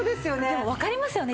でもわかりますよね